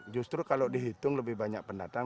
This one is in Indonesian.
justru kalau dihitung lebih banyak pendatang